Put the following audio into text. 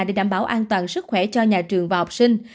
để đảm bảo an toàn sức khỏe cho nhà trường và học sinh